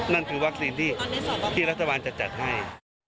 นั่นคือวัคซีนที่รัฐบาลจะจัดให้